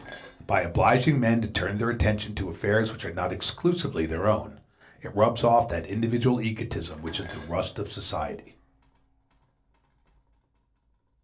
By obliging men to turn their attention to affairs which are not exclusively their own, it rubs off that individual egotism which is the rust of society.